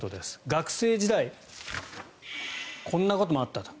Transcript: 学生時代こんなこともあったと。